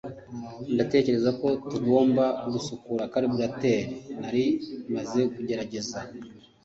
ndatekereza ko tugomba gusukura karburetor. nari maze kubigerageza